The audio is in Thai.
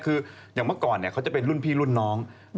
คืออย่างเมื่อก่อนเขาจะเป็นรุ่นพี่รุ่นน้อง